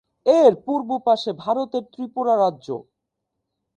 এর পূর্ব পাশে ভারতের ত্রিপুরা রাজ্য।